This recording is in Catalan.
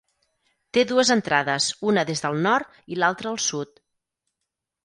Té dues entrades una des del nord i l'altra al sud.